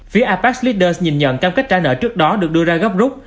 phía apec leader nhìn nhận cam kết trả nợ trước đó được đưa ra góp rút